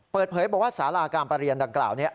เปิดเผยบอกว่าสาราการประเรียนดังกล่าวนี้